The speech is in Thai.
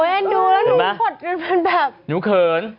โอ้ยเอ็นดูแล้วหนูขดหนูเขิน